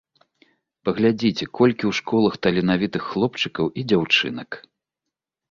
Паглядзіце, колькі ў школах таленавітых хлопчыкаў і дзяўчынак.